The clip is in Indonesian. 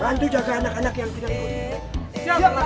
bantu jaga anak anak yang tidak boleh